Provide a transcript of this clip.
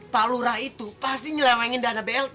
pak lurah itu pasti nyelewengin dana blt